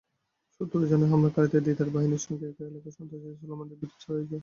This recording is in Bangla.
সূত্র জানায়, হামলাকারী দিদার বাহিনীর সঙ্গে একই এলাকার সন্ত্রাসী সোলেমানের বিরোধ রয়েছে।